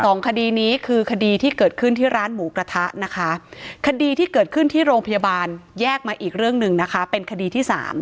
สองคดีนี้คือคดีที่เกิดขึ้นที่ร้านหมูกระทะนะคะคดีที่เกิดขึ้นที่โรงพยาบาลแยกมาอีกเรื่องหนึ่งนะคะเป็นคดีที่สาม